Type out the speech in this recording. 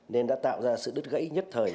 nên đã tạo ra sự đứt gãy nhất thời